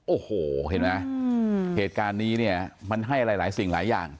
โอ้โหเห็นไหมเหตุการณ์นี้เนี่ยมันให้อะไรหลายสิ่งหลายอย่าง